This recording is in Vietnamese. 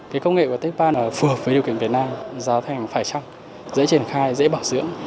cái công nghệ của techpad phù hợp với điều kiện việt nam giáo thành phải chăng dễ triển khai dễ bảo dưỡng